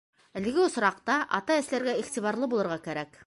Әлеге осраҡта ата-әсәләргә иғтибарлы булырға кәрәк.